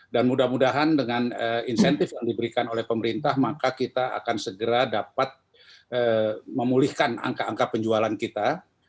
dan mudah mudahan dengan insentif yang diberikan oleh pemerintah maka kita akan segera dapat memulihkan angka angka penjualan kita